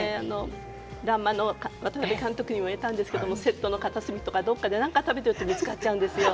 「らんまん」の渡邊監督にも言われたんですけれどもセットの片隅とかどこかで何かを食べていると見つかっちゃうんですよ。